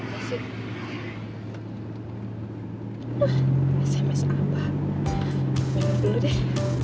pake dulu deh